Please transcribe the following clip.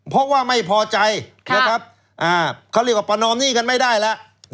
เพราะว่าไม่พอใจนะครับเขาเรียกว่าประนอมหนี้กันไม่ได้แล้ว